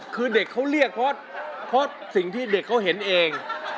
คือเด็กเขาเรียกเพราะสิ่งที่เด็กเขาเห็นเอง